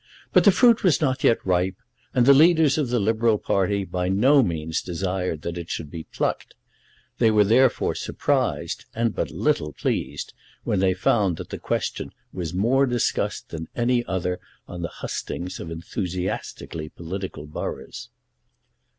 But the fruit was not yet ripe, and the leaders of the Liberal party by no means desired that it should be plucked. They were, therefore, surprised, and but little pleased, when they found that the question was more discussed than any other on the hustings of enthusiastically political boroughs.